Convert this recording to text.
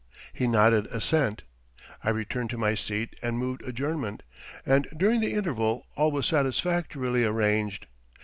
He nodded assent. I returned to my seat and moved adjournment, and during the interval all was satisfactorily arranged.